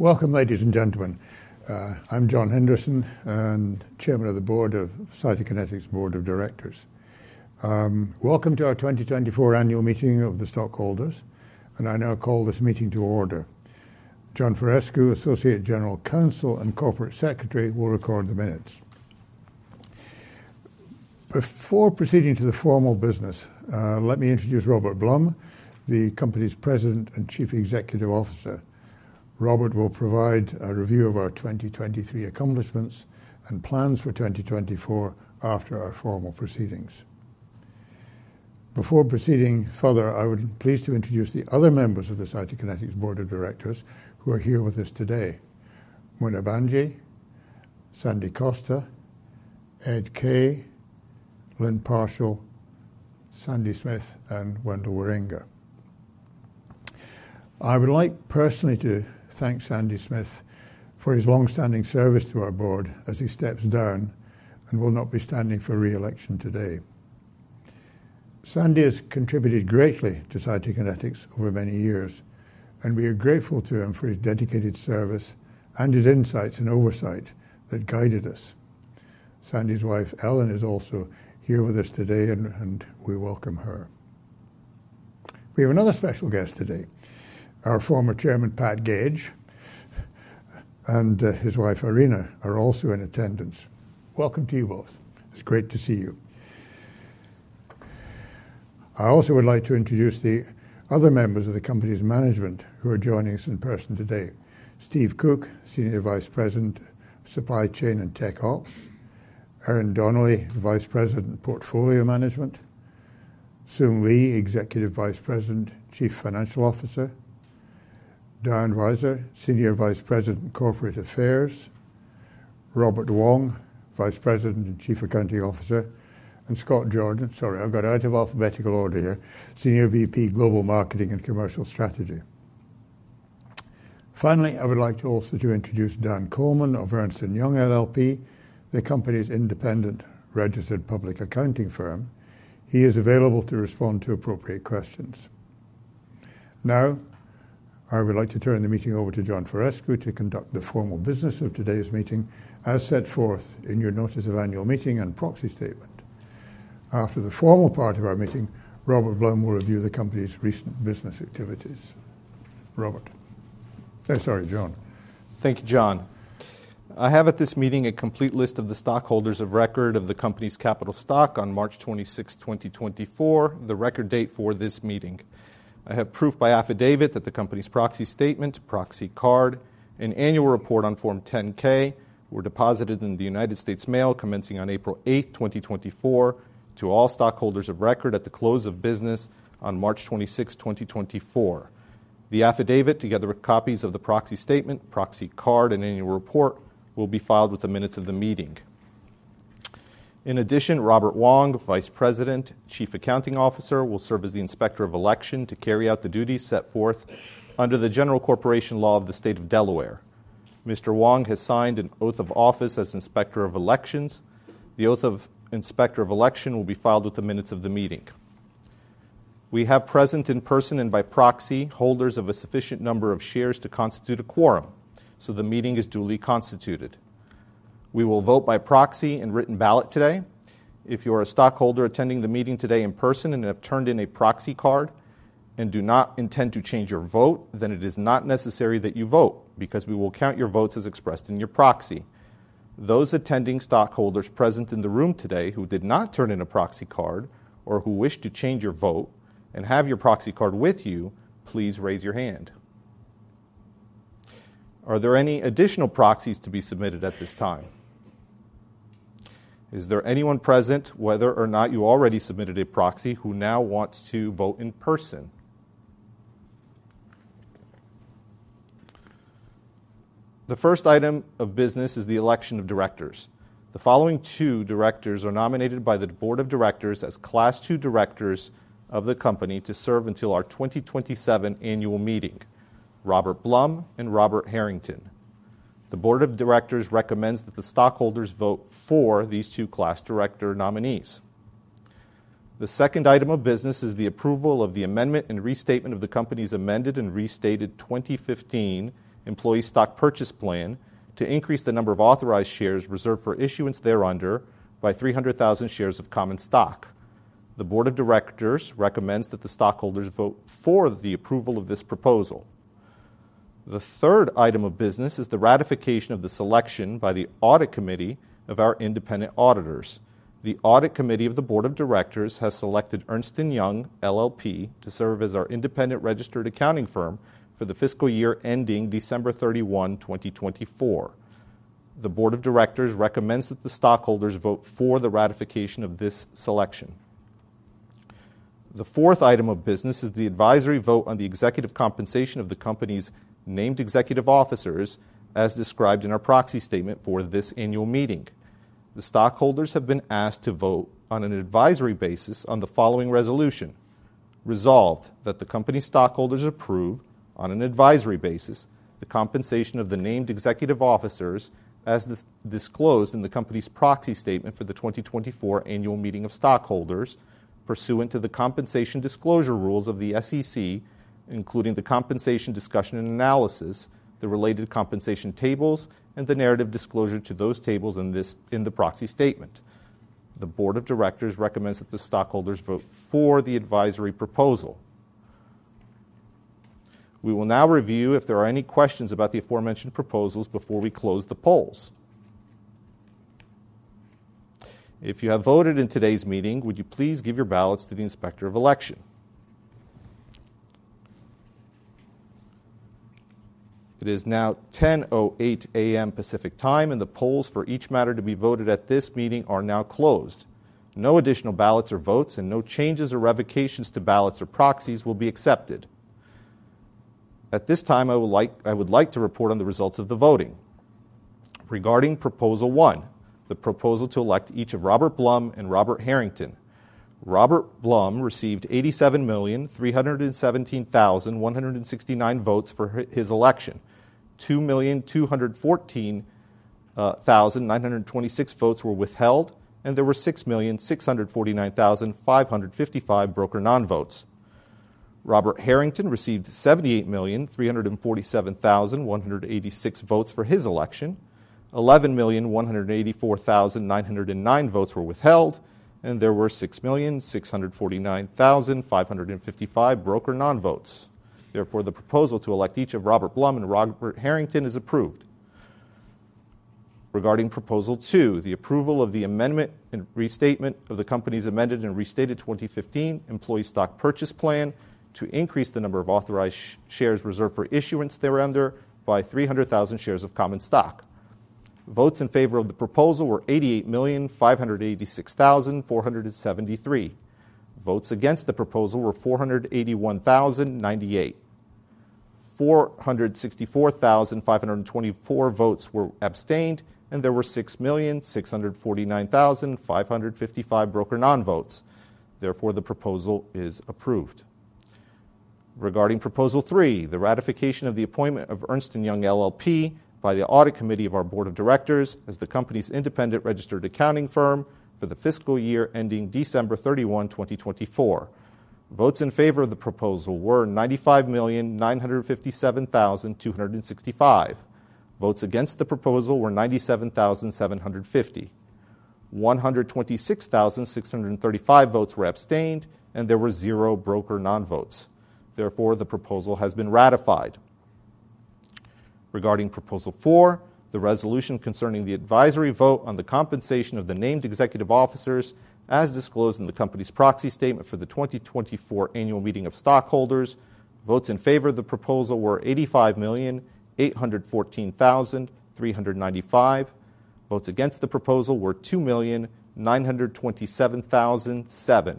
Welcome, ladies and gentlemen. I'm John Henderson and Chairman of the Board of Cytokinetics' Board of Directors. Welcome to our 2024 annual meeting of the stockholders, and I now call this meeting to order. John Faurescu, Associate General Counsel and Corporate Secretary, will record the minutes. Before proceeding to the formal business, let me introduce Robert Blum, the company's President and Chief Executive Officer. Robert will provide a review of our 2023 accomplishments and plans for 2024 after our formal proceedings. Before proceeding further, I would be pleased to introduce the other members of the Cytokinetics Board of Directors who are here with us today: Muna Bhanji, Santo Costa, Edward Kaye, B. Lynne Parshall, Sanford Smith, and Wendell Wierenga. I would like personally to thank Sandy Smith for his long-standing service to our board as he steps down and will not be standing for re-election today. Sandy has contributed greatly to Cytokinetics over many years, and we are grateful to him for his dedicated service and his insights and oversight that guided us. Sandy's wife, Ellen, is also here with us today, and we welcome her. We have another special guest today. Our former chairman, Pat Gage, and his wife, Irina, are also in attendance. Welcome to you both. It's great to see you. I also would like to introduce the other members of the company's management who are joining us in person today: Steve Cook, Senior Vice President, Supply Chain and Tech Ops, Erin Donnelly, Vice President, Portfolio Management, Sung Lee, Executive Vice President, Chief Financial Officer, Diane Weiser, Senior Vice President, Corporate Affairs, Robert Wong, Vice President and Chief Accounting Officer, and Scott Jordan... Sorry, I've got out of alphabetical order here. Senior VP, Global Marketing and Commercial Strategy. Finally, I would like to also to introduce Dan Coleman of Ernst & Young LLP, the company's independent registered public accounting firm. He is available to respond to appropriate questions. Now, I would like to turn the meeting over to John Faurescu to conduct the formal business of today's meeting, as set forth in your notice of annual meeting and proxy statement. After the formal part of our meeting, Robert Blum will review the company's recent business activities. Robert. Oh, sorry, John. Thank you, John. I have at this meeting a complete list of the stockholders of record of the company's capital stock on March 26th, 2024, the record date for this meeting. I have proof by affidavit that the company's proxy statement, proxy card, and annual report on Form 10-K were deposited in the United States Mail commencing on April 8th, 2024, to all stockholders of record at the close of business on March 26th, 2024. The affidavit, together with copies of the proxy statement, proxy card, and annual report, will be filed with the minutes of the meeting. In addition, Robert Wong, Vice President, Chief Accounting Officer, will serve as the Inspector of Election to carry out the duties set forth under the General Corporation Law of the State of Delaware. Mr. Wong has signed an oath of office as Inspector of Elections. The oath of Inspector of Election will be filed with the minutes of the meeting. We have present in person and by proxy, holders of a sufficient number of shares to constitute a quorum, so the meeting is duly constituted. We will vote by proxy and written ballot today. If you are a stockholder attending the meeting today in person and have turned in a proxy card and do not intend to change your vote, then it is not necessary that you vote, because we will count your votes as expressed in your proxy. Those attending stockholders present in the room today who did not turn in a proxy card or who wish to change your vote and have your proxy card with you, please raise your hand. Are there any additional proxies to be submitted at this time? Is there anyone present, whether or not you already submitted a proxy, who now wants to vote in person? The first item of business is the election of directors. The following two directors are nominated by the board of directors as Class II directors of the company to serve until our 2027 annual meeting: Robert Blum and Robert Harrington. The board of directors recommends that the stockholders vote for these two class director nominees. The second item of business is the approval of the amendment and restatement of the company's amended and restated 2015 employee stock purchase plan to increase the number of authorized shares reserved for issuance thereunder by 300,000 shares of common stock. The board of directors recommends that the stockholders vote for the approval of this proposal. The third item of business is the ratification of the selection by the Audit Committee of our independent auditors. The Audit Committee of the Board of Directors has selected Ernst & Young LLP to serve as our independent registered accounting firm for the fiscal year ending December 31, 2024. The board of directors recommends that the stockholders vote for the ratification of this selection. The fourth item of business is the advisory vote on the executive compensation of the company's named executive officers, as described in our proxy statement for this annual meeting. The stockholders have been asked to vote on an advisory basis on the following resolution: Resolved, that the company's stockholders approve, on an advisory basis, the compensation of the named executive officers as disclosed in the company's proxy statement for the 2024 annual meeting of stockholders, pursuant to the compensation disclosure rules of the SEC, including the compensation discussion and analysis, the related compensation tables, and the narrative disclosure to those tables in the proxy statement. The board of directors recommends that the stockholders vote for the advisory proposal. We will now review if there are any questions about the aforementioned proposals before we close the polls. If you have voted in today's meeting, would you please give your ballots to the Inspector of Election? It is now 10:08 A.M. Pacific Time, and the polls for each matter to be voted at this meeting are now closed. No additional ballots or votes, and no changes or revocations to ballots or proxies will be accepted. At this time, I would like to report on the results of the voting. Regarding Proposal One, the proposal to elect each of Robert Blum and Robert Harrington. Robert Blum received 87,317,169 votes for his election. 2,214,926 votes were withheld, and there were 6,649,555 broker non-votes. Robert Harrington received 78,347,186 votes for his election. 11,184,909 votes were withheld, and there were 6,649,555 broker non-votes. Therefore, the proposal to elect each of Robert Blum and Robert Harrington is approved. Regarding Proposal Two, the approval of the amendment and restatement of the company's amended and restated 2015 employee stock purchase plan to increase the number of authorized shares reserved for issuance thereunder by 300,000 shares of common stock. Votes in favor of the proposal were 88,586,473. Votes against the proposal were 481,098. 464,524 votes were abstained, and there were 6,649,555 broker non-votes. Therefore, the proposal is approved. Regarding Proposal Three, the ratification of the appointment of Ernst & Young LLP by the Audit Committee of our Board of Directors as the company's independent registered accounting firm for the fiscal year ending December 31, 2024. Votes in favor of the proposal were 95,957,265. Votes against the proposal were 97,750. 126,635 votes were abstained, and there were 0 broker non-votes. Therefore, the proposal has been ratified. Regarding Proposal Four, the resolution concerning the advisory vote on the compensation of the named executive officers, as disclosed in the company's proxy statement for the 2024 annual meeting of stockholders. Votes in favor of the proposal were 85,814,395. Votes against the proposal were 2,927,007.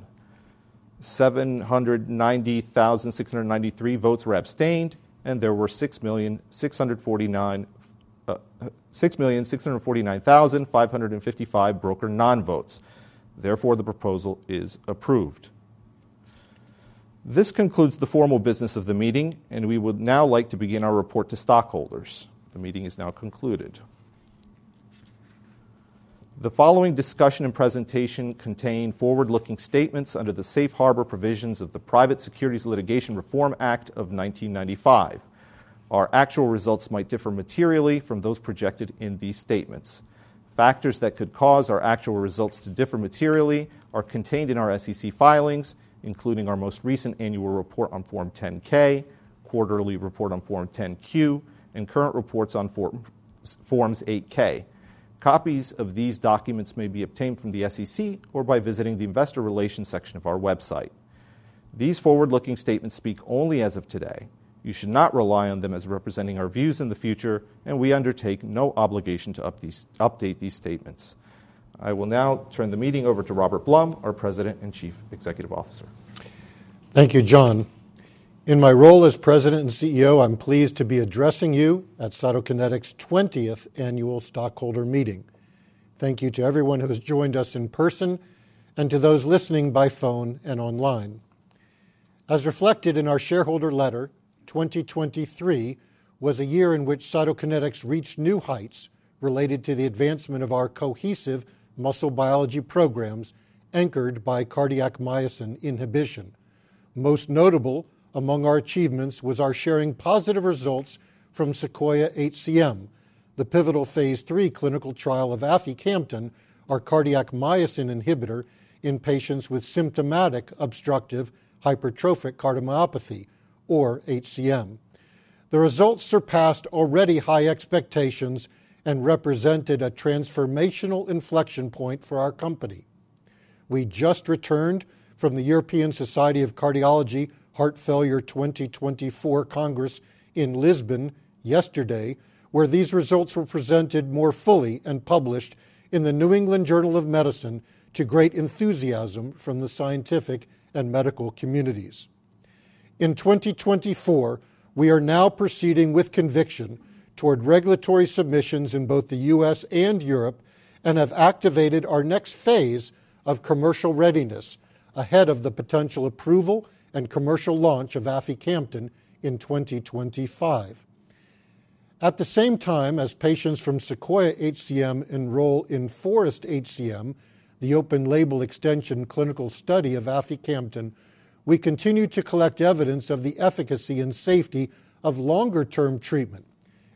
790,693 votes were abstained, and there were 6,649,555 broker non-votes. Therefore, the proposal is approved. This concludes the formal business of the meeting, and we would now like to begin our report to stockholders. The meeting is now concluded. The following discussion and presentation contain forward-looking statements under the Safe Harbor Provisions of the Private Securities Litigation Reform Act of 1995. Our actual results might differ materially from those projected in these statements. Factors that could cause our actual results to differ materially are contained in our SEC filings, including our most recent annual report on Form 10-K, quarterly report on Form 10-Q, and current reports on Forms 8-K. Copies of these documents may be obtained from the SEC or by visiting the Investor Relations section of our website. These forward-looking statements speak only as of today. You should not rely on them as representing our views in the future, and we undertake no obligation to update these statements. I will now turn the meeting over to Robert Blum, our President and Chief Executive Officer. Thank you, John. In my role as President and CEO, I'm pleased to be addressing you at Cytokinetics' 20th Annual Stockholder Meeting. Thank you to everyone who has joined us in person and to those listening by phone and online. As reflected in our shareholder letter, 2023 was a year in which Cytokinetics reached new heights related to the advancement of our cohesive muscle biology programs, anchored by cardiac myosin inhibition. Most notable among our achievements was our sharing positive results from SEQUOIA-HCM, the pivotal Phase III clinical trial of aficamten, our cardiac myosin inhibitor, in patients with symptomatic obstructive hypertrophic cardiomyopathy or HCM. The results surpassed already high expectations and represented a transformational inflection point for our company. We just returned from the European Society of Cardiology Heart Failure 2024 Congress in Lisbon yesterday, where these results were presented more fully and published in the New England Journal of Medicine to great enthusiasm from the scientific and medical communities. In 2024, we are now proceeding with conviction toward regulatory submissions in both the U.S. and Europe, and have activated our next phase of commercial readiness ahead of the potential approval and commercial launch of aficamten in 2025. At the same time as patients from SEQUOIA-HCM enroll in FOREST-HCM, the open label extension clinical study of aficamten, we continue to collect evidence of the efficacy and safety of longer-term treatment.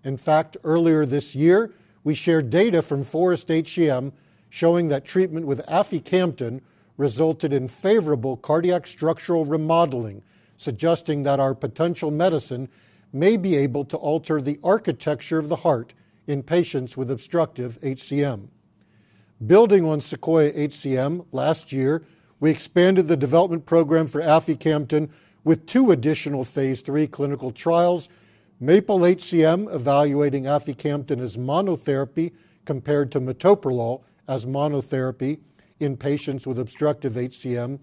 In fact, earlier this year, we shared data from FOREST-HCM showing that treatment with aficamten resulted in favorable cardiac structural remodeling, suggesting that our potential medicine may be able to alter the architecture of the heart in patients with obstructive HCM. Building on SEQUOIA-HCM, last year, we expanded the development program for aficamten with two additional Phase III clinical trials: MAPLE-HCM, evaluating aficamten as monotherapy compared to metoprolol as monotherapy in patients with obstructive HCM,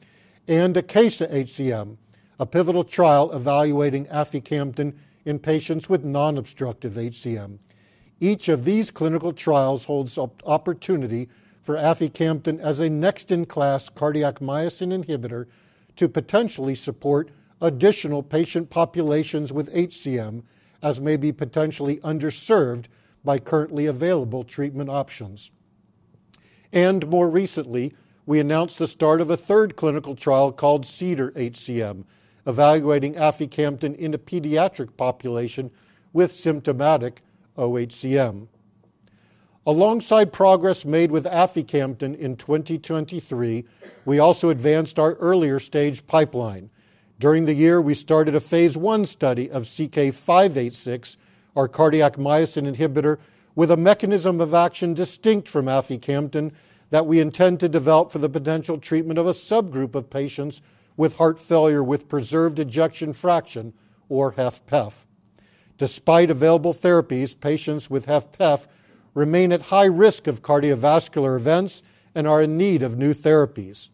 and ACACIA-HCM, a pivotal trial evaluating aficamten in patients with non-obstructive HCM. Each of these clinical trials holds opportunity for aficamten as a next-in-class cardiac myosin inhibitor to potentially support additional patient populations with HCM, as may be potentially underserved by currently available treatment options. And more recently, we announced the start of a third clinical trial called CEDAR-HCM, evaluating aficamten in a pediatric population with symptomatic OHCM. Alongside progress made with aficamten in 2023, we also advanced our earlier stage pipeline. During the year, we started a Phase I study of CK-586, our cardiac myosin inhibitor, with a mechanism of action distinct from aficamten, that we intend to develop for the potential treatment of a subgroup of patients with heart failure, with preserved ejection fraction, or HFpEF. Despite available therapies, patients with HFpEF remain at high risk of cardiovascular events and are in need of new therapies.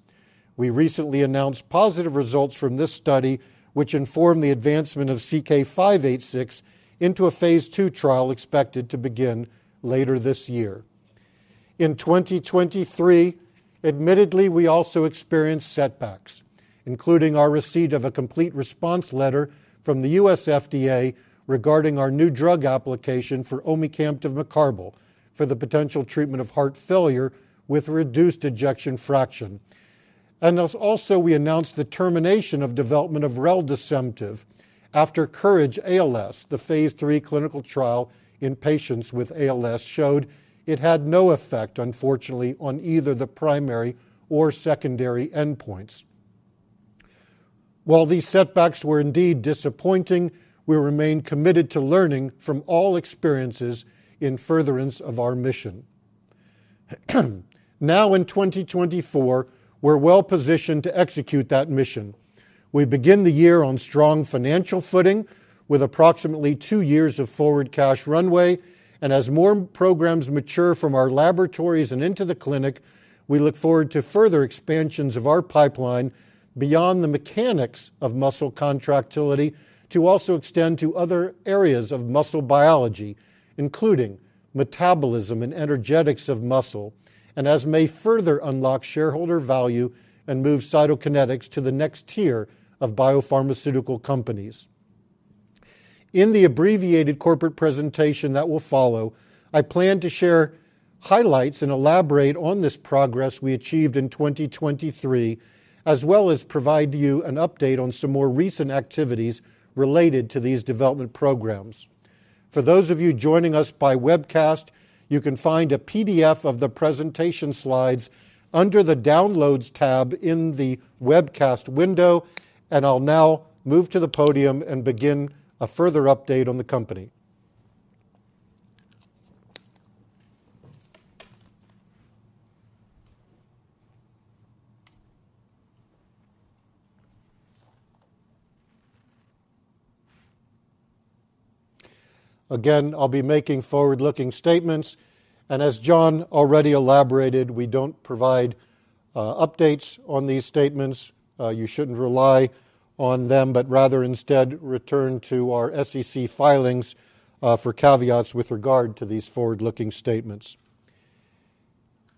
We recently announced positive results from this study, which informed the advancement of CK-586 into a Phase II trial, expected to begin later this year. In 2023, admittedly, we also experienced setbacks, including our receipt of a Complete Response Letter from the US FDA regarding our New Drug Application for omecamtiv mecarbil, for the potential treatment of heart failure with reduced ejection fraction. Also, we announced the termination of development of reldesemtiv after COURAGE-ALS, the phase III clinical trial in patients with ALS, showed it had no effect, unfortunately, on either the primary or secondary endpoints. While these setbacks were indeed disappointing, we remain committed to learning from all experiences in furtherance of our mission. Now, in 2024, we're well positioned to execute that mission. We begin the year on strong financial footing with approximately 2 years of forward cash runway. And as more programs mature from our laboratories and into the clinic, we look forward to further expansions of our pipeline beyond the mechanics of muscle contractility, to also extend to other areas of muscle biology, including metabolism and energetics of muscle, and as may further unlock shareholder value and move Cytokinetics to the next tier of biopharmaceutical companies. In the abbreviated corporate presentation that will follow, I plan to share highlights and elaborate on this progress we achieved in 2023, as well as provide you an update on some more recent activities related to these development programs. For those of you joining us by webcast, you can find a PDF of the presentation slides under the Downloads tab in the webcast window, and I'll now move to the podium and begin a further update on the company. Again, I'll be making forward-looking statements, and as John already elaborated, we don't provide updates on these statements. You shouldn't rely on them, but rather instead return to our SEC filings for caveats with regard to these forward-looking statements.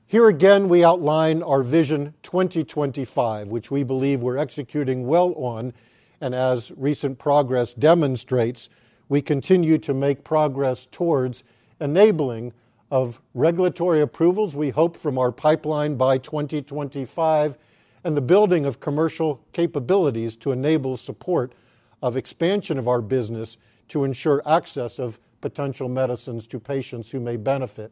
Here again, we outline our vision 2025, which we believe we're executing well on. And as recent progress demonstrates, we continue to make progress towards enabling of regulatory approvals we hope from our pipeline by 2025, and the building of commercial capabilities to enable support of expansion of our business to ensure access of potential medicines to patients who may benefit.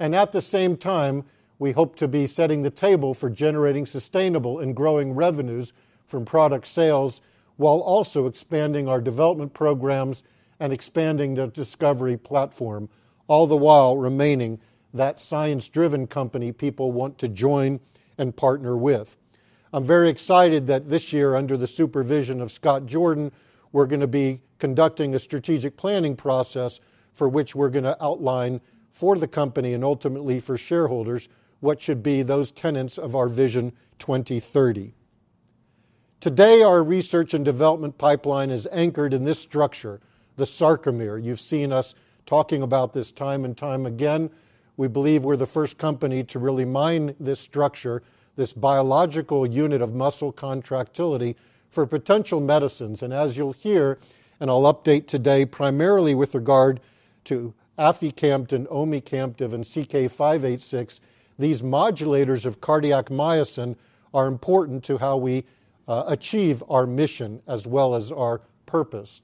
And at the same time, we hope to be setting the table for generating sustainable and growing revenues from product sales, while also expanding our development programs and expanding the discovery platform, all the while remaining that science-driven company people want to join and partner with. I'm very excited that this year, under the supervision of Scott Jordan, we're gonna be conducting a strategic planning process, for which we're gonna outline for the company, and ultimately for shareholders, what should be those tenets of our vision 2030. Today, our research and development pipeline is anchored in this structure, the sarcomere. You've seen us talking about this time and time again. We believe we're the first company to really mine this structure, this biological unit of muscle contractility, for potential medicines. And as you'll hear, and I'll update today, primarily with regard to-... To Aficamten, omecamtiv and CK-586, these modulators of cardiac myosin are important to how we achieve our mission as well as our purpose.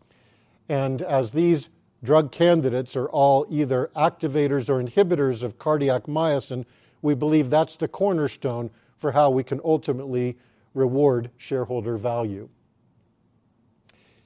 As these drug candidates are all either activators or inhibitors of cardiac myosin, we believe that's the cornerstone for how we can ultimately reward shareholder value.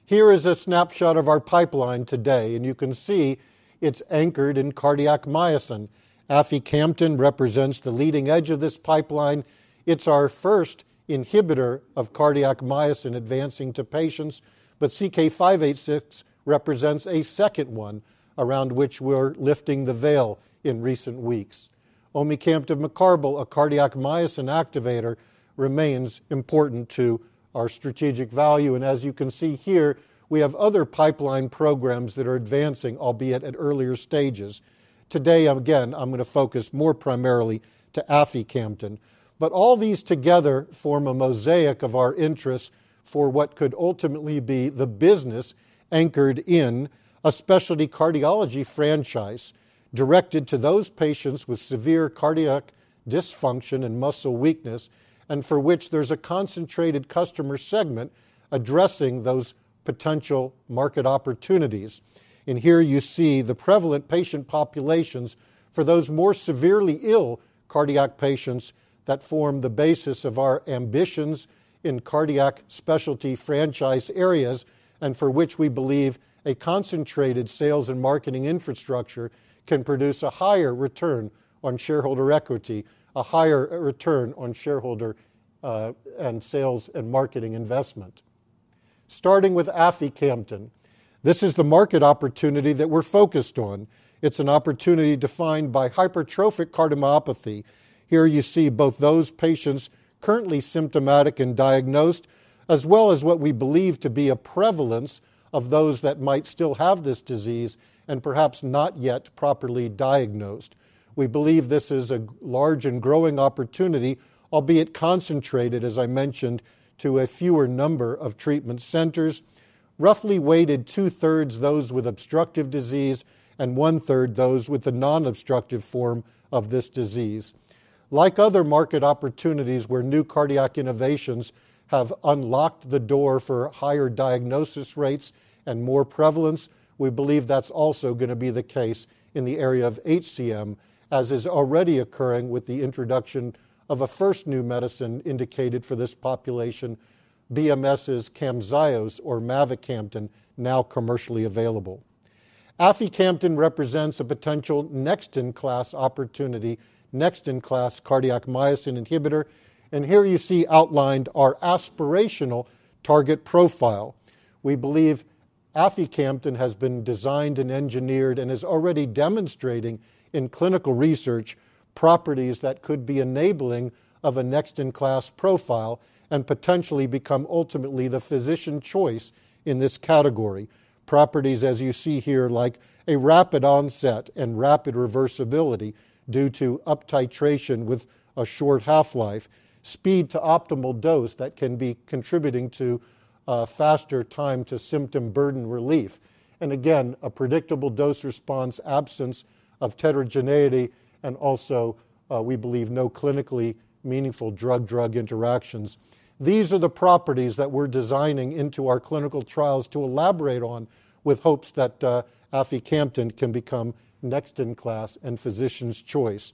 Here is a snapshot of our pipeline today, and you can see it's anchored in cardiac myosin. Aficamten represents the leading edge of this pipeline. It's our first inhibitor of cardiac myosin advancing to patients, but CK-586 represents a second one around which we're lifting the veil in recent weeks. Omecamtiv mecarbil, a cardiac myosin activator, remains important to our strategic value, and as you can see here, we have other pipeline programs that are advancing, albeit at earlier stages. Today, again, I'm going to focus more primarily to Aficamten. But all these together form a mosaic of our interests for what could ultimately be the business anchored in a specialty cardiology franchise, directed to those patients with severe cardiac dysfunction and muscle weakness, and for which there's a concentrated customer segment addressing those potential market opportunities. And here you see the prevalent patient populations for those more severely ill cardiac patients that form the basis of our ambitions in cardiac specialty franchise areas, and for which we believe a concentrated sales and marketing infrastructure can produce a higher return on shareholder equity, a higher return on shareholder, and sales and marketing investment. Starting with Aficamten, this is the market opportunity that we're focused on. It's an opportunity defined by hypertrophic cardiomyopathy. Here you see both those patients currently symptomatic and diagnosed, as well as what we believe to be a prevalence of those that might still have this disease and perhaps not yet properly diagnosed. We believe this is a large and growing opportunity, albeit concentrated, as I mentioned, to a fewer number of treatment centers. Roughly weighted 2/3 those with obstructive disease and 1/3 those with the non-obstructive form of this disease. Like other market opportunities where new cardiac innovations have unlocked the door for higher diagnosis rates and more prevalence, we believe that's also going to be the case in the area of HCM, as is already occurring with the introduction of a first new medicine indicated for this population, BMS's Camzyos, or mavacamten, now commercially available. Aficamten represents a potential next-in-class opportunity, next-in-class cardiac myosin inhibitor, and here you see outlined our aspirational target profile. We believe Aficamten has been designed and engineered and is already demonstrating in clinical research, properties that could be enabling of a next-in-class profile and potentially become ultimately the physician choice in this category. Properties, as you see here, like a rapid onset and rapid reversibility due to uptitration with a short half-life, speed to optimal dose that can be contributing to a faster time to symptom burden relief. And again, a predictable dose response, absence of heterogeneity, and also, we believe, no clinically meaningful drug-drug interactions. These are the properties that we're designing into our clinical trials to elaborate on with hopes that, Aficamten can become next in class and physician's choice.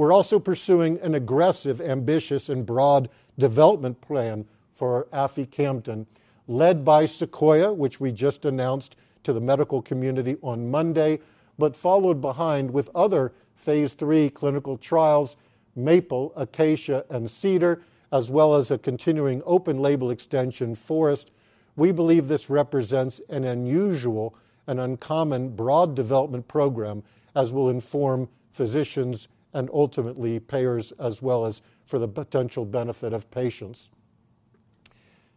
We're also pursuing an aggressive, ambitious, and broad development plan for Aficamten, led by SEQUOIA, which we just announced to the medical community on Monday, but followed behind with other phase III clinical trials, MAPLE, ACACIA, and CEDAR, as well as a continuing open-label extension, FOREST. We believe this represents an unusual and uncommon broad development program as we'll inform physicians and ultimately payers, as well as for the potential benefit of patients.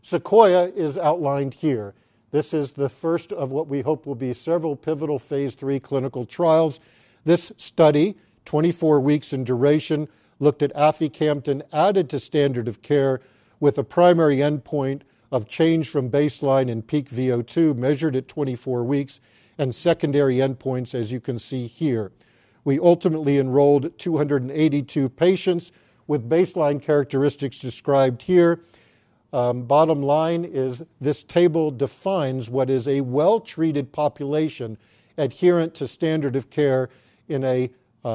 SEQUOIA is outlined here. This is the first of what we hope will be several pivotal phase III clinical trials. This study, 24 weeks in duration, looked at Aficamten added to standard of care with a primary endpoint of change from baseline in peak VO2, measured at 24 weeks, and secondary endpoints, as you can see here. We ultimately enrolled 282 patients with baseline characteristics described here. Bottom line is this table defines what is a well-treated population adherent to standard of care in a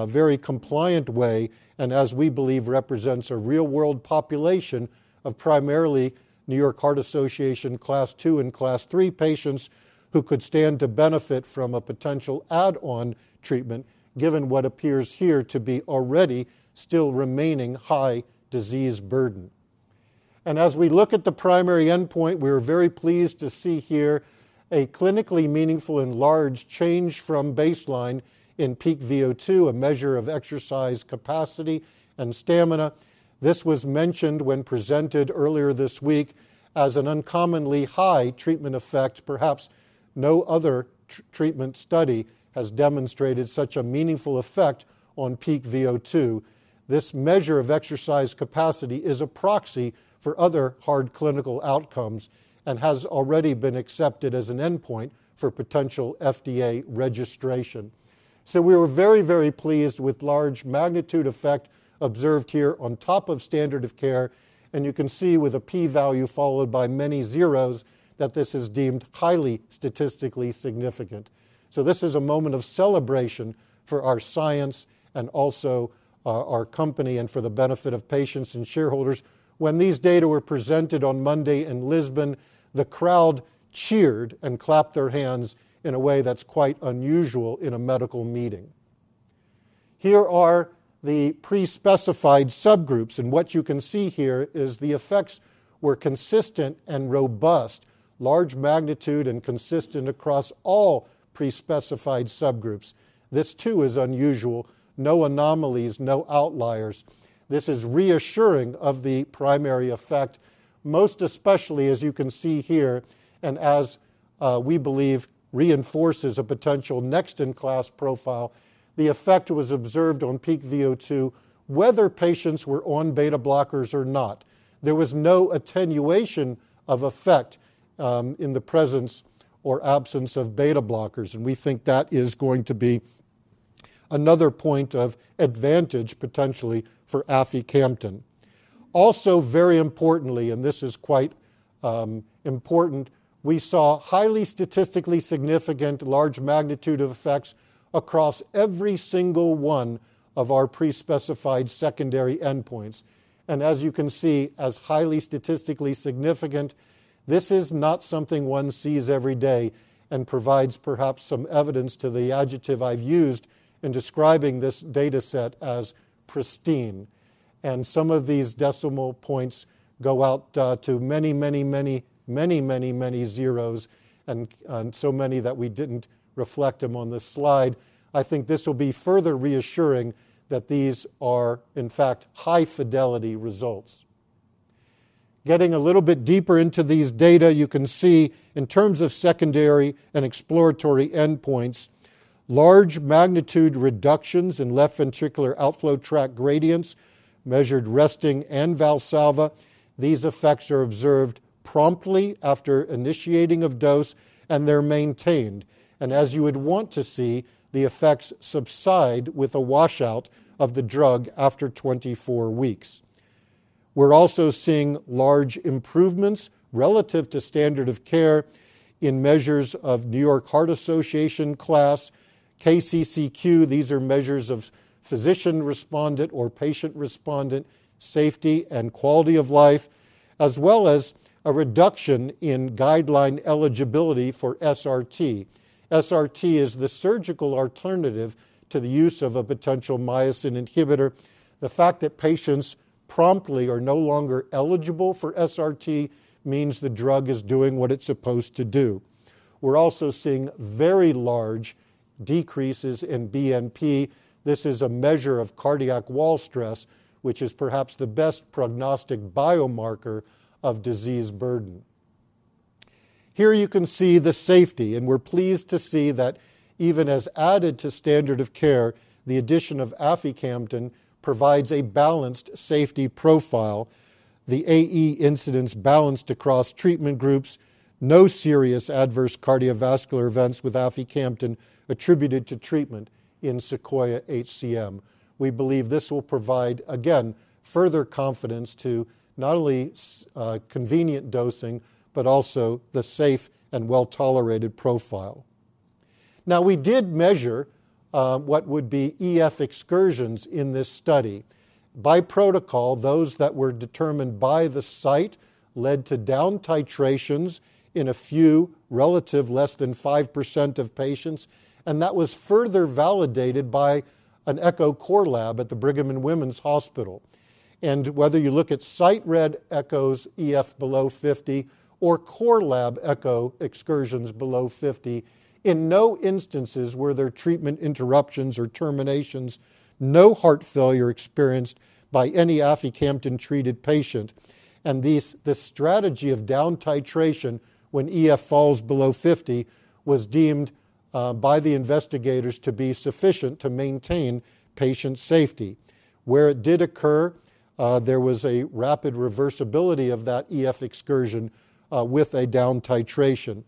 very compliant way, and as we believe, represents a real-world population of primarily New York Heart Association Class II and Class III patients who could stand to benefit from a potential add-on treatment, given what appears here to be already still remaining high disease burden. As we look at the primary endpoint, we are very pleased to see here a clinically meaningful and large change from baseline in Peak VO2, a measure of exercise capacity and stamina... This was mentioned when presented earlier this week as an uncommonly high treatment effect. Perhaps no other treatment study has demonstrated such a meaningful effect on Peak VO2. This measure of exercise capacity is a proxy for other hard clinical outcomes and has already been accepted as an endpoint for potential FDA registration. So we were very, very pleased with large magnitude effect observed here on top of standard of care, and you can see with a P value followed by many zeros, that this is deemed highly statistically significant. So this is a moment of celebration for our science and also, our company, and for the benefit of patients and shareholders. When these data were presented on Monday in Lisbon, the crowd cheered and clapped their hands in a way that's quite unusual in a medical meeting. Here are the pre-specified subgroups, and what you can see here is the effects were consistent and robust, large magnitude and consistent across all pre-specified subgroups. This too, is unusual. No anomalies, no outliers. This is reassuring of the primary effect, most especially as you can see here and as, we believe reinforces a potential next-in-class profile. The effect was observed on peak VO2, whether patients were on beta blockers or not. There was no attenuation of effect, in the presence or absence of beta blockers, and we think that is going to be another point of advantage, potentially for aficamten. Also, very importantly, and this is quite, important, we saw highly statistically significant large magnitude of effects across every single one of our pre-specified secondary endpoints. And as you can see, as highly statistically significant, this is not something one sees every day and provides perhaps some evidence to the adjective I've used in describing this data set as pristine. And some of these decimal points go out to many, many, many, many, many, many zeros and, and so many that we didn't reflect them on this slide. I think this will be further reassuring that these are, in fact, high fidelity results. Getting a little bit deeper into these data, you can see in terms of secondary and exploratory endpoints, large magnitude reductions in left ventricular outflow tract gradients, measured resting and Valsalva. These effects are observed promptly after initiating of dose, and they're maintained. And as you would want to see, the effects subside with a washout of the drug after 24 weeks. We're also seeing large improvements relative to standard of care in measures of New York Heart Association class, KCCQ. These are measures of physician respondent or patient respondent, safety and quality of life, as well as a reduction in guideline eligibility for SRT. SRT is the surgical alternative to the use of a potential myosin inhibitor. The fact that patients promptly are no longer eligible for SRT means the drug is doing what it's supposed to do. We're also seeing very large decreases in BNP. This is a measure of cardiac wall stress, which is perhaps the best prognostic biomarker of disease burden. Here you can see the safety, and we're pleased to see that even as added to standard of care, the addition of aficamten provides a balanced safety profile. The AE incidence balanced across treatment groups. No serious adverse cardiovascular events with aficamten attributed to treatment in SEQUOIA-HCM. We believe this will provide, again, further confidence to not only convenient dosing, but also the safe and well-tolerated profile. Now, we did measure what would be EF excursions in this study. By protocol, those that were determined by the site led to down titrations in a few relative, less than 5% of patients, and that was further validated by an echo core lab at the Brigham and Women's Hospital. Whether you look at site read echoes, EF below 50, or core lab echo excursions below 50, in no instances were there treatment interruptions or terminations, no heart failure experienced by any Aficamten-treated patient. This, this strategy of down titration when EF falls below 50, was deemed by the investigators to be sufficient to maintain patient safety. Where it did occur, there was a rapid reversibility of that EF excursion with a down titration.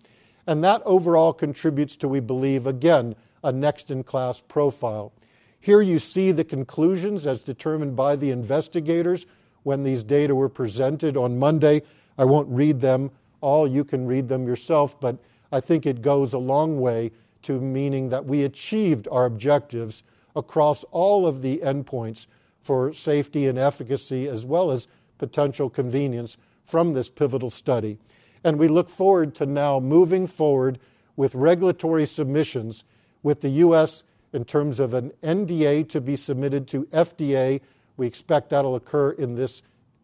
That overall contributes to, we believe, again, a next-in-class profile. Here you see the conclusions as determined by the investigators when these data were presented on Monday. I won't read them all. You can read them yourself, but I think it goes a long way to meaning that we achieved our objectives across all of the endpoints for safety and efficacy, as well as potential convenience from this pivotal study. And we look forward to now moving forward with regulatory submissions with the U.S. in terms of an NDA to be submitted to FDA. We expect that'll occur in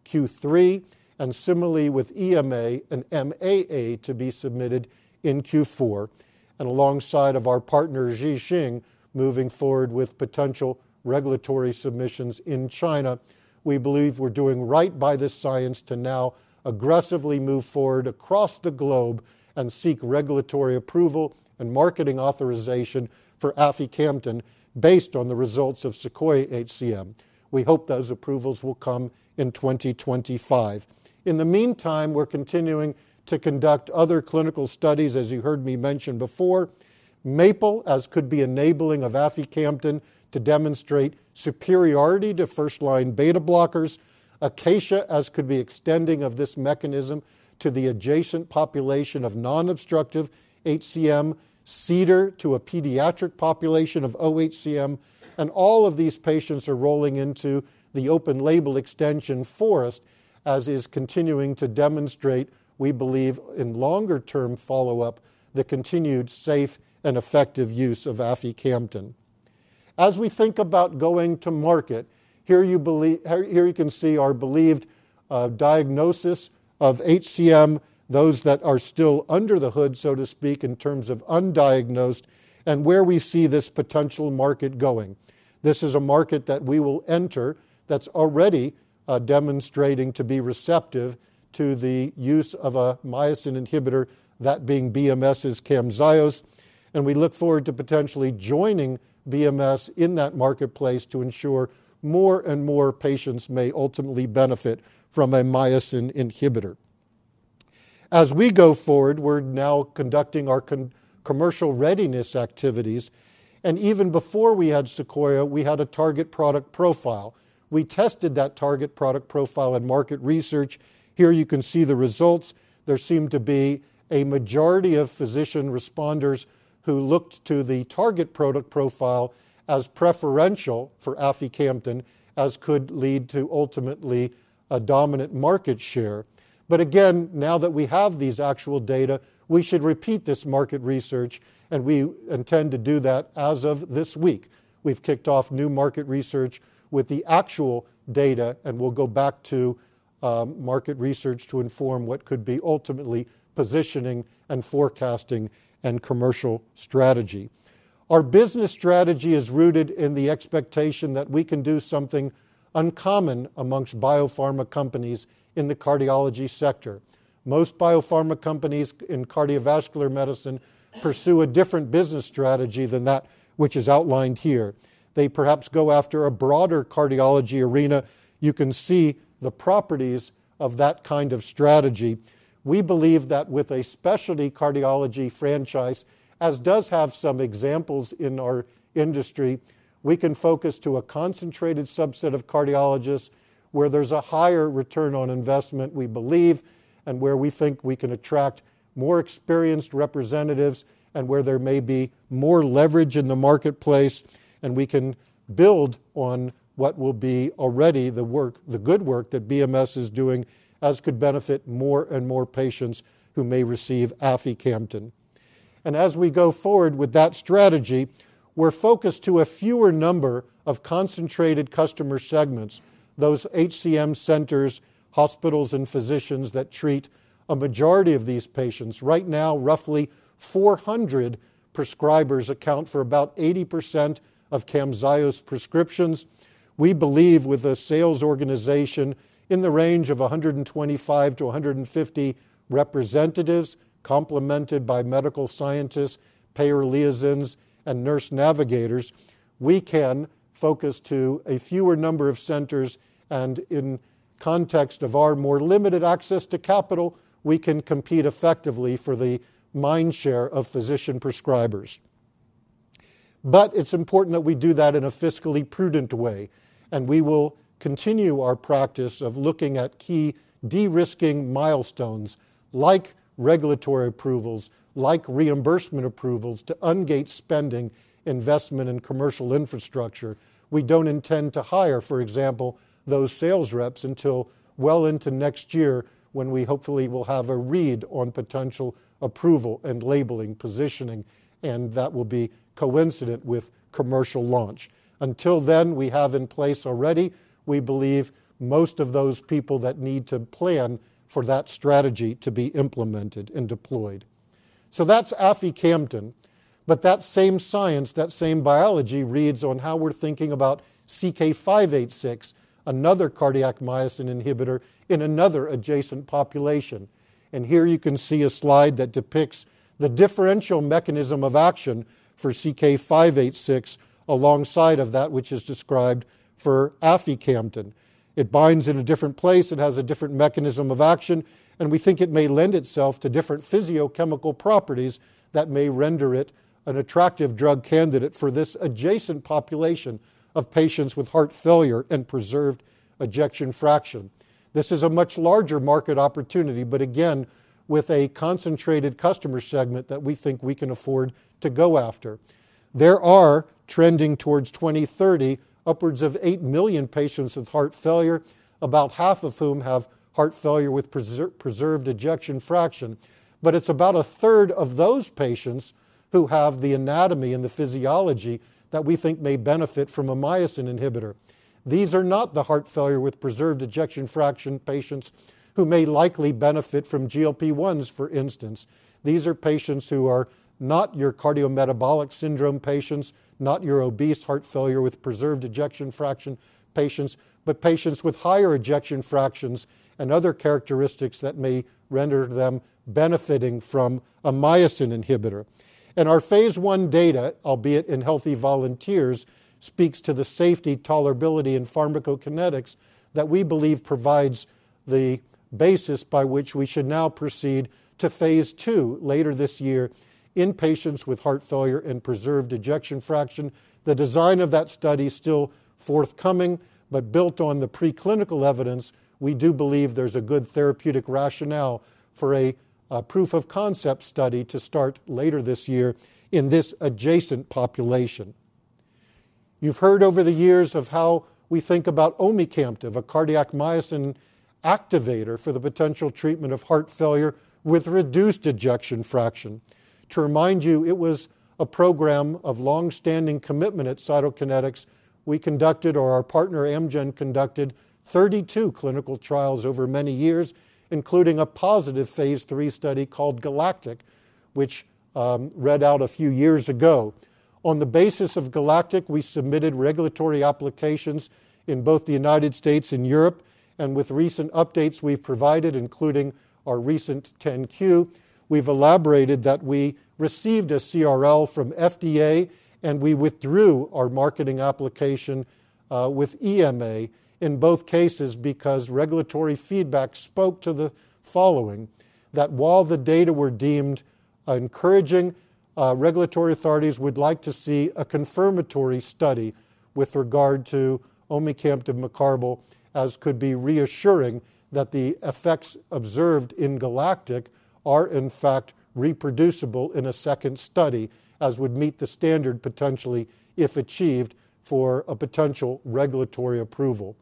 Q3, and similarly with EMA and MAA to be submitted in Q4. And alongside of our partner, Zhixing, moving forward with potential regulatory submissions in China, we believe we're doing right by this science to now aggressively move forward across the globe and seek regulatory approval and marketing authorization for Aficamten based on the results of SEQUOIA-HCM. We hope those approvals will come in 2025. In the meantime, we're continuing to conduct other clinical studies, as you heard me mention before. MAPLE, as could be enabling of Aficamten to demonstrate superiority to first-line beta blockers. ACACIA, as could be extending of this mechanism to the adjacent population of non-obstructive HCM. CEDAR, to a pediatric population of OHCM. And all of these patients are rolling into the open label extension FOREST, as is continuing to demonstrate, we believe, in longer-term follow-up, the continued safe and effective use of Aficamten. As we think about going to market, here you can see our believed diagnosis of HCM, those that are still under the hood, so to speak, in terms of undiagnosed and where we see this potential market going. This is a market that we will enter that's already demonstrating to be receptive to the use of a myosin inhibitor, that being BMS' Camzyos, and we look forward to potentially joining BMS in that marketplace to ensure more and more patients may ultimately benefit from a myosin inhibitor. As we go forward, we're now conducting our commercial readiness activities, and even before we had Sequoia, we had a target product profile. We tested that target product profile and market research. Here you can see the results. There seemed to be a majority of physician responders who looked to the target product profile as preferential for aficamten, as could lead to ultimately a dominant market share. But again, now that we have these actual data, we should repeat this market research, and we intend to do that as of this week. We've kicked off new market research with the actual data, and we'll go back to market research to inform what could be ultimately positioning and forecasting and commercial strategy. Our business strategy is rooted in the expectation that we can do something uncommon amongst biopharma companies in the cardiology sector. Most biopharma companies in cardiovascular medicine pursue a different business strategy than that which is outlined here. They perhaps go after a broader cardiology arena. You can see the properties of that kind of strategy. We believe that with a specialty cardiology franchise, as does have some examples in our industry, we can focus to a concentrated subset of cardiologists where there's a higher return on investment, we believe, and where we think we can attract more experienced representatives and where there may be more leverage in the marketplace, and we can build on what will be already the work, the good work that BMS is doing, as could benefit more and more patients who may receive Aficamten. As we go forward with that strategy, we're focused to a fewer number of concentrated customer segments, those HCM centers, hospitals, and physicians that treat a majority of these patients. Right now, roughly 400 prescribers account for about 80% of Camzyos prescriptions. We believe with a sales organization in the range of 125-150 representatives, complemented by medical scientists, payer liaisons, and nurse navigators, we can focus to a fewer number of centers, and in context of our more limited access to capital, we can compete effectively for the mind share of physician prescribers. But it's important that we do that in a fiscally prudent way, and we will continue our practice of looking at key de-risking milestones like regulatory approvals, like reimbursement approvals, to ungate spending, investment, and commercial infrastructure. We don't intend to hire, for example, those sales reps until well into next year, when we hopefully will have a read on potential approval and labeling positioning, and that will be coincident with commercial launch. Until then, we have in place already, we believe most of those people that need to plan for that strategy to be implemented and deployed. So that's Aficamten, but that same science, that same biology, reads on how we're thinking about CK-586, another cardiac myosin inhibitor in another adjacent population.... And here you can see a slide that depicts the differential mechanism of action for CK-586, alongside of that which is described for Aficamten. It binds in a different place, it has a different mechanism of action, and we think it may lend itself to different physicochemical properties that may render it an attractive drug candidate for this adjacent population of patients with heart failure and preserved ejection fraction. This is a much larger market opportunity, but again, with a concentrated customer segment that we think we can afford to go after. There are, trending towards 2030, upwards of 8 million patients with heart failure, about half of whom have heart failure with preserved ejection fraction. But it's about a third of those patients who have the anatomy and the physiology that we think may benefit from a myosin inhibitor. These are not the heart failure with preserved ejection fraction patients who may likely benefit from GLP-1s, for instance. These are patients who are not your cardiometabolic syndrome patients, not your obese heart failure with preserved ejection fraction patients, but patients with higher ejection fractions and other characteristics that may render them benefiting from a myosin inhibitor. Our phase I data, albeit in healthy volunteers, speaks to the safety, tolerability, and pharmacokinetics that we believe provides the basis by which we should now proceed to phase II later this year in patients with heart failure and preserved ejection fraction. The design of that study is still forthcoming, but built on the preclinical evidence, we do believe there's a good therapeutic rationale for a proof of concept study to start later this year in this adjacent population. You've heard over the years of how we think about omecamtiv, a cardiac myosin activator for the potential treatment of heart failure with reduced ejection fraction. To remind you, it was a program of long-standing commitment at Cytokinetics. We conducted, or our partner Amgen, conducted 32 clinical trials over many years, including a positive phase III study called GALACTIC, which read out a few years ago. On the basis of GALACTIC, we submitted regulatory applications in both the United States and Europe, and with recent updates we've provided, including our recent 10-Q, we've elaborated that we received a CRL from FDA, and we withdrew our marketing application with EMA in both cases, because regulatory feedback spoke to the following: that while the data were deemed encouraging, regulatory authorities would like to see a confirmatory study with regard to omecamtiv mecarbil, as could be reassuring that the effects observed in GALACTIC are in fact reproducible in a second study, as would meet the standard, potentially, if achieved, for a potential regulatory approval.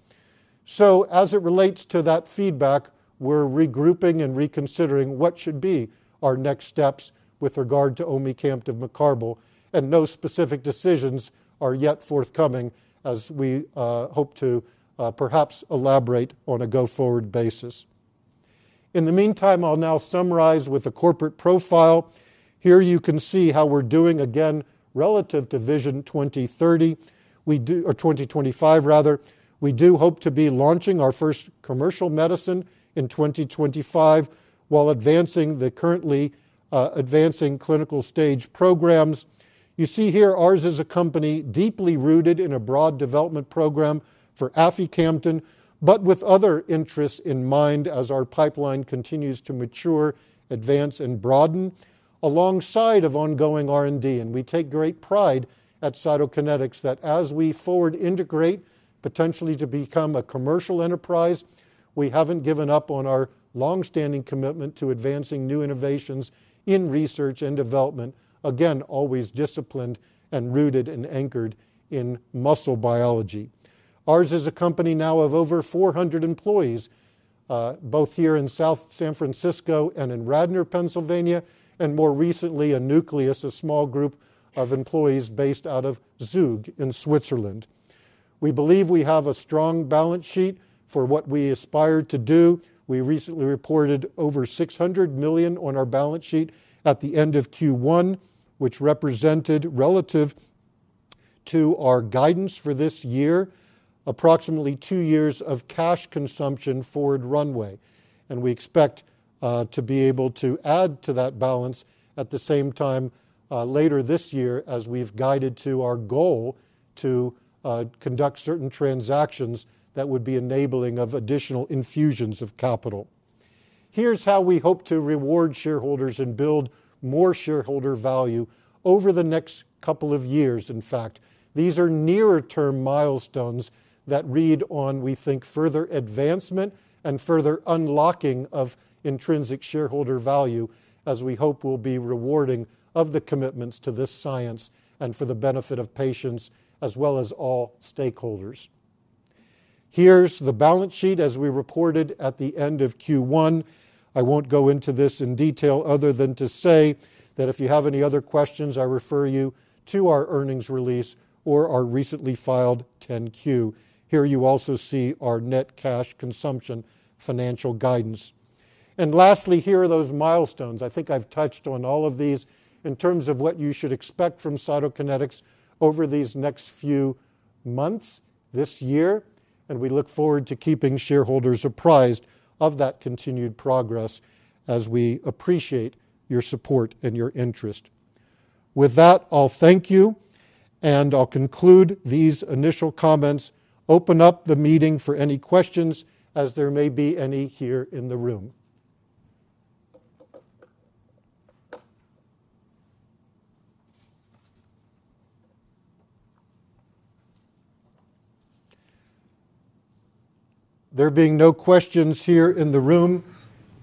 So as it relates to that feedback, we're regrouping and reconsidering what should be our next steps with regard to omecamtiv mecarbil, and no specific decisions are yet forthcoming as we hope to perhaps elaborate on a go-forward basis. In the meantime, I'll now summarize with a corporate profile. Here you can see how we're doing, again, relative to Vision 2030. We do... Or 2025 rather. We do hope to be launching our first commercial medicine in 2025, while advancing the currently advancing clinical stage programs. You see here, ours is a company deeply rooted in a broad development program for Aficamten, but with other interests in mind as our pipeline continues to mature, advance, and broaden alongside of ongoing R&D. And we take great pride at Cytokinetics that as we forward integrate, potentially to become a commercial enterprise, we haven't given up on our long-standing commitment to advancing new innovations in research and development. Again, always disciplined and rooted and anchored in muscle biology. Ours is a company now of over 400 employees, both here in South San Francisco and in Radnor, Pennsylvania, and more recently, a nucleus, a small group of employees based out of Zug in Switzerland. We believe we have a strong balance sheet for what we aspire to do. We recently reported over $600 million on our balance sheet at the end of Q1, which represented, relative to our guidance for this year, approximately two years of cash consumption forward runway. And we expect to be able to add to that balance at the same time, later this year, as we've guided to our goal to conduct certain transactions that would be enabling of additional infusions of capital. Here's how we hope to reward shareholders and build more shareholder value over the next couple of years, in fact. These are nearer-term milestones that read on, we think, further advancement and further unlocking of intrinsic shareholder value, as we hope will be rewarding of the commitments to this science and for the benefit of patients as well as all stakeholders. Here's the balance sheet as we reported at the end of Q1. I won't go into this in detail other than to say that if you have any other questions, I refer you to our earnings release or our recently filed 10-Q. Here you also see our net cash consumption financial guidance. And lastly, here are those milestones. I think I've touched on all of these in terms of what you should expect from Cytokinetics over these next few months, this year and we look forward to keeping shareholders apprised of that continued progress as we appreciate your support and your interest. With that, I'll thank you, and I'll conclude these initial comments, open up the meeting for any questions as there may be any here in the room. There being no questions here in the room,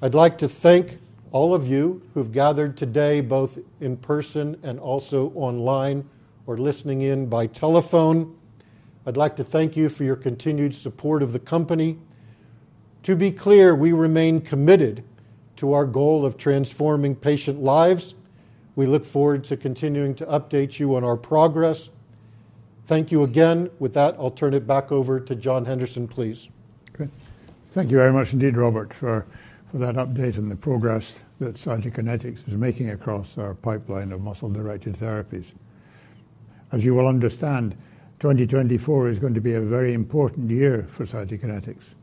I'd like to thank all of you who've gathered today, both in person and also online, or listening in by telephone. I'd like to thank you for your continued support of the company. To be clear, we remain committed to our goal of transforming patient lives. We look forward to continuing to update you on our progress. Thank you again. With that, I'll turn it back over to John Henderson, please. Great. Thank you very much indeed, Robert, for that update and the progress that Cytokinetics is making across our pipeline of muscle-directed therapies. As you will understand, 2024 is going to be a very important year for Cytokinetics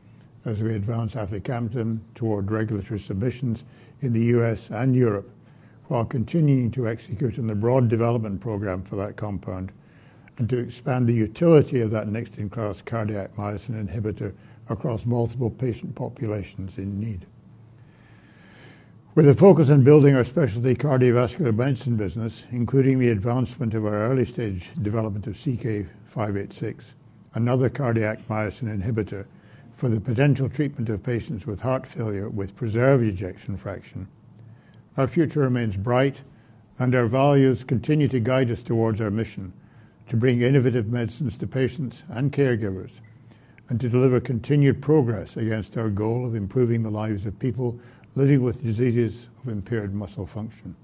as we advance Aficamten toward regulatory submissions in the U.S. and Europe, while continuing to execute on the broad development program for that compound and to expand the utility of that next-in-class cardiac myosin inhibitor across multiple patient populations in need. With a focus on building our specialty cardiovascular medicine business, including the advancement of our early-stage development of CK-586, another cardiac myosin inhibitor for the potential treatment of patients with heart failure with preserved ejection fraction, our future remains bright, and our values continue to guide us towards our mission to bring innovative medicines to patients and caregivers, and to deliver continued progress against our goal of improving the lives of people living with diseases of impaired muscle function.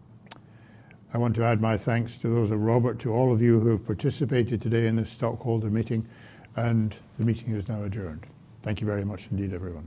I want to add my thanks to those of Robert, to all of you who have participated today in this stockholder meeting, and the meeting is now adjourned. Thank you very much indeed, everyone.